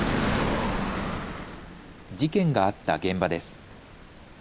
事件があった現場です。